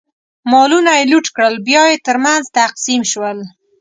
مالونه یې لوټ کړل، بیا یې ترمنځ تقسیم شول.